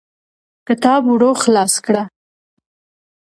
کتاب ورو خلاص کړه.